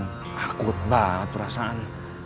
takut banget perasaan